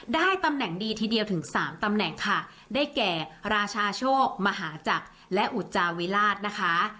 ได้ตำแหน่งดีทีเดียวถึงสามตำแหน่งค่ะได้แก่ราชาโชคมหาจักรและอุจจาวิราชนะคะ